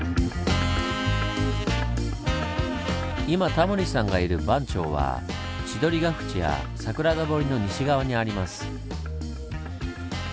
今タモリさんがいる番町は千鳥ヶ淵や桜田堀の西側にあります。